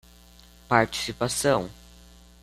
Participação